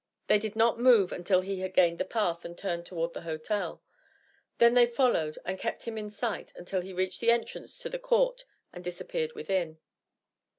They did not move until he had gained the path and turned toward the hotel. Then they followed and kept him in sight until he reached the entrance to the court and disappeared within.